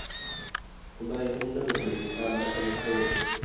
خدای هم نه بدلوي حال د هغه قوم